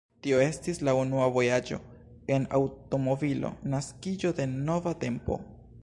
Tio estis la unua vojaĝo en aŭtomobilo, naskiĝo de nova tempo.